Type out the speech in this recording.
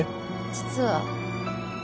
実は